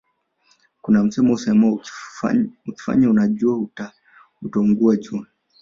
Kuna msemo usemao ukijifanya unajua utaungua jua